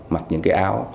mặc những cái áo